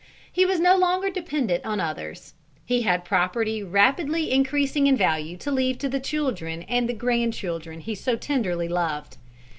He was no longer dependent upon others. He had property rapidly increasing in value to leave to the children and the grand children he so tenderly loved.